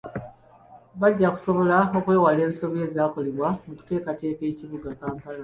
Bajja kusobola okwewala ensobi ezaakolebwa mu kuteekateeka ekibuga Kampala.